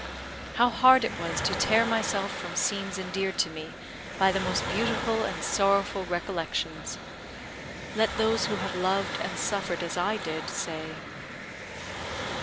How hard it was to tear myself from scenes endeared to me by the most beautiful and sorrowful recollections, let those who have loved and suffered as I did, say.